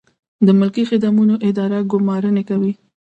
د ملکي خدمتونو اداره ګمارنې کوي